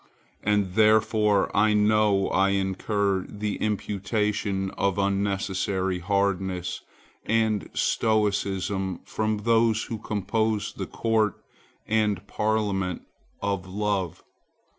And therefore I know I incur the imputation of unnecessary hardness and stoicism from those who compose the Court and Parliament of Love.